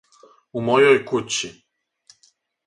У мојој кући.